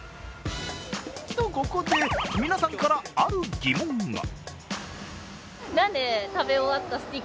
と、ここで、皆さんからある疑問が。